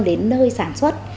đến nơi sản xuất